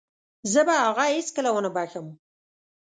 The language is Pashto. زه به هغه هيڅکله ونه وبښم.